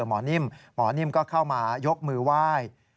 หมอนิ่มหมอนิ่มก็เข้ามายกมือไหว้